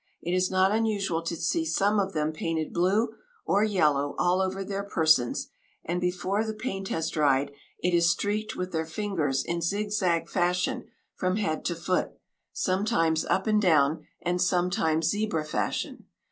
It is not unusual to see some of them painted blue or yellow all over their persons, and before the paint has dried it is streaked with their fingers in zig zag fashion from head to foot, sometimes up and down and sometimes zebra fashion.